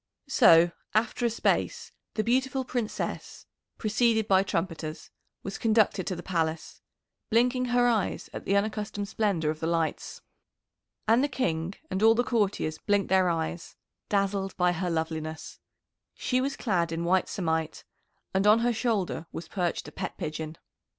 So after a space the beautiful Princess, preceded by trumpeters, was conducted to the Palace, blinking her eyes at the unaccustomed splendour of the lights. And the King and all the courtiers blinked their eyes, dazzled by her loveliness. She was clad in white samite, and on her shoulder was perched a pet pigeon.